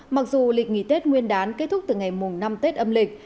mặc dù lịch nghỉ tết nguyên đán kết thúc từ ngày mùng năm tết âm lịch